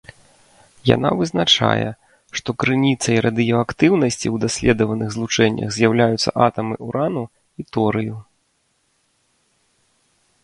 Яна вызначае, што крыніцай радыеактыўнасці ў даследаваных злучэннях з'яўляюцца атамы ўрану і торыю.